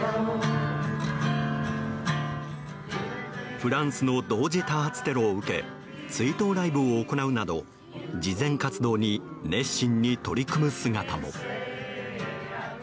フランスの同時多発テロを受け追悼ライブを行うなど慈善活動に熱心に取り組む姿も。